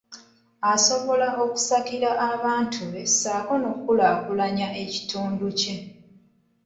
Asobola okusakira abantu be ssaako n’okulaakulanya ekitundu kye.